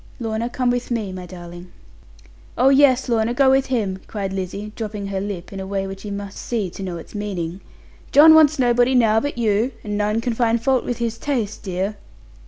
Lorna, come with me, my darling.' 'Oh yes, Lorna; go with him,' cried Lizzie, dropping her lip, in a way which you must see to know its meaning; 'John wants nobody now but you; and none can find fault with his taste, dear.'